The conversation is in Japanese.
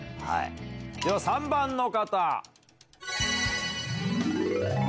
では３番の方。